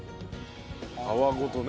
皮ごとね。